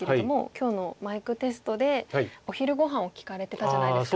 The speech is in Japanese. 今日のマイクテストでお昼ごはんを聞かれてたじゃないですか。